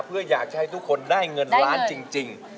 เพื่ออยากจะให้ทุกคนได้เงินล้านจริง